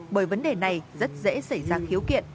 bởi vấn đề này rất dễ xảy ra khiếu kiện